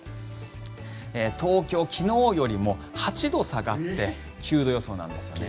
東京、昨日よりも８度下がって９度予想なんですね。